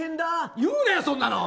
言うなよ、そんなの！